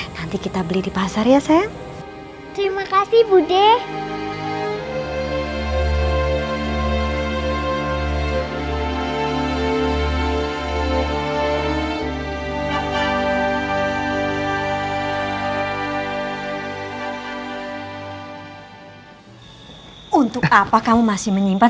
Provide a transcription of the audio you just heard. nanti kita beli di pasar ya sayang terima kasih bu deh untuk apa kamu masih menyimpan